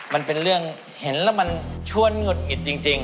มันเป็นเรื่องเห็นแล้วมันชวนหงุดหงิดจริง